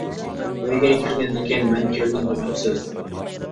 — ئۆيگە كىرگەندىكىن، مەن كىردىم دېمەمسىز.